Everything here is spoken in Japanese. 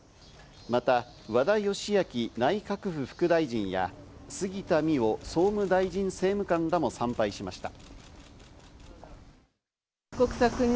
また和田義明内閣府副大臣や、杉田水脈総務大臣政務官らも参拝しました。